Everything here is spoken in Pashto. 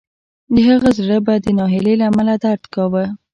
د هغې زړه به د ناهیلۍ له امله درد کاوه